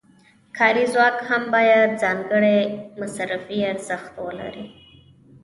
کاري ځواک هم باید ځانګړی مصرفي ارزښت ولري